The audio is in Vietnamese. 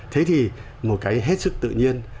thế thì một cái hết sức tự nhiên